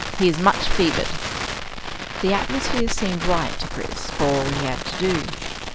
He is much fevered." The atmosphere seemed right to Chris for all he had to do.